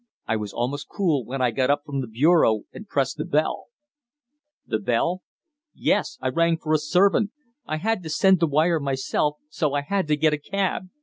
I was almost cool when I got up from the bureau and pressed the bell " "The bell?" "Yes. I rang for a servant. I had to send the wire myself, so I had to get a cab."